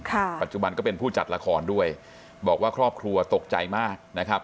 ปัจจุบันก็เป็นผู้จัดละครด้วยบอกว่าครอบครัวตกใจมากนะครับ